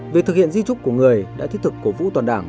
việc thực hiện di trúc của người đã thiết thực cổ vũ toàn đảng